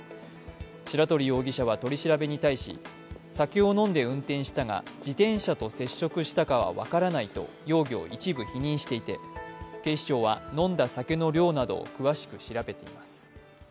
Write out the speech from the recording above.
白鳥容疑者は取り調べに対し、酒を飲んで運転したが、自転車と接触したかは分からないと容疑を一部否認していて警視庁は飲んだ酒の量などを詳しく調べています。